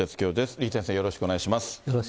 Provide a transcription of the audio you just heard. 李先生、よろしくお願いします。